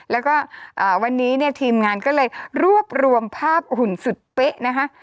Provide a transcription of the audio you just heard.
แล้วก็วันนี้เนี่ยทีมงานก็เลยรวบรวมภาพหุ่นสุดเป๊ะนะคะ